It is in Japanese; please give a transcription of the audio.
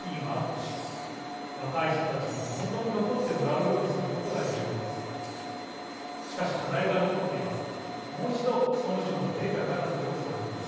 しかし、課題が残っています。